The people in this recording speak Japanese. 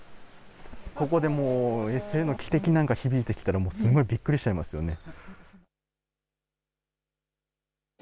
ここでＳＬの汽笛なんか響いてきたりしたら、びっくりしちゃいますよね。